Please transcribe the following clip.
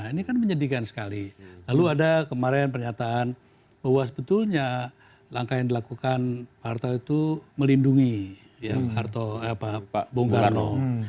ini kan menyedihkan sekali lalu ada kemarin pernyataan bahwa sebetulnya langkah yang dilakukan harto itu melindungi bung karno